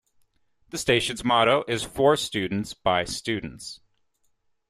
The station's motto is For students by students.